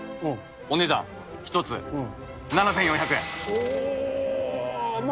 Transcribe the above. お値段、１つ７４００円。